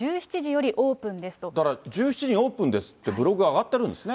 だから、１７時よりオープンですと、ブログ上がってるんですね。